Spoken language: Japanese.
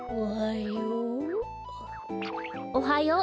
おはよう。